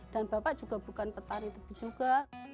dan bapak juga bukan petari tebu juga